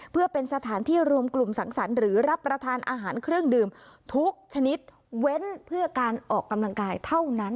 เพื่อเป็นสถานที่รวมกลุ่มสังสรรค์หรือรับประทานอาหารเครื่องดื่มทุกชนิดเว้นเพื่อการออกกำลังกายเท่านั้น